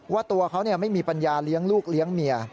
ว่าตัวเขาไม่มีปัญญาเลี้ยงลูกเลี้ยงเมีย